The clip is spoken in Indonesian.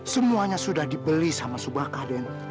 semuanya sudah dibeli oleh pak subakah